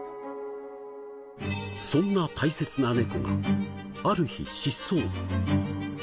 そんな大切な猫がある日失踪。